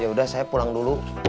ya udah saya pulang dulu